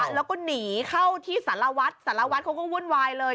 แล้วก็หนีเข้าที่สารวัตรสารวัตรเขาก็วุ่นวายเลย